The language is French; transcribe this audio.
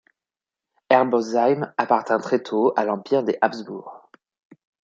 Herbolzheim appartint très tôt à l'Empire des Habsbourg.